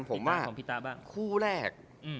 ผมว่าคู่แรก